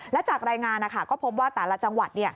และจากรายงานก็พบว่าแต่ละจังหวัด